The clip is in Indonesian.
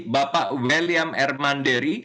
bapak william r manderi